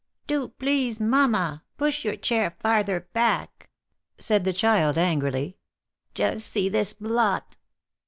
Do, please, mamma, push your chair farther back,^^ said the child, angrily. ''Just see this blot!"